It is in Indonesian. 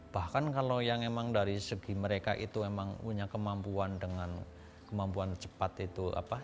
bahkan kalau yang emang dari segi mereka itu memang punya kemampuan dengan kemampuan cepat itu apa